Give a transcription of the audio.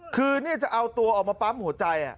คือจะเอาตัวออกมาปั๊มหัวใจ